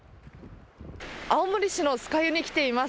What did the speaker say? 青森市の酸ヶ湯に来ています。